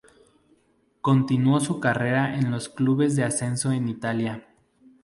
Continuó su carrera en clubes de ascenso en Italia.